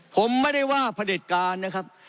ผมไม่ได้ว่าพระเด็จการนะครับ